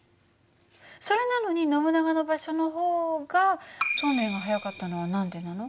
それなのにノブナガの場所の方がそうめんが速かったのは何でなの？